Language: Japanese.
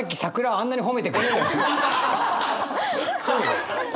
そうですね。